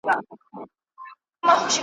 څنګه پردی سوم له هغي خاوري !.